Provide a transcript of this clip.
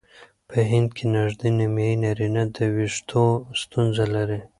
په هند کې نژدې نیمایي نارینه د وېښتو ستونزه لري.